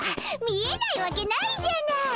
見えないわけないじゃないっ！